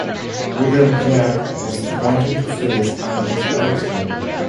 William Clarke was appointed to fill his unexpired term.